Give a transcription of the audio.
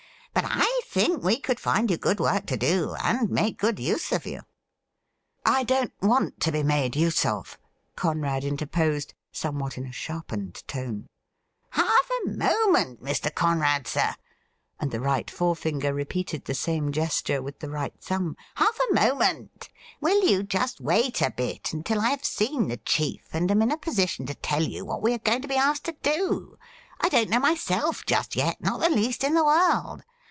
But I think we could find you good work to do, and make good use of you.' ' I don't want to be made use of,' Conrad intei posed, somewhat in a sharpened tone. ' Half a moment, Mr. Conrad, sir '— and the right fore finger repeated the same gesture with the right thumb —' half a moment. Will you just wait a bit, until I have seen the chief and am in a position to tell you what we are going to be asked to do .'' I don't know myself just yet — ^not the least in the world.